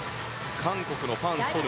韓国のファン・ソヌ。